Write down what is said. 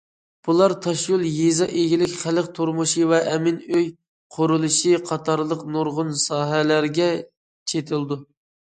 بۇلار تاشيول، يېزا ئىگىلىك، خەلق تۇرمۇشى ۋە ئەمىن ئۆي قۇرۇلۇشى قاتارلىق نۇرغۇن ساھەلەرگە چېتىلىدۇ.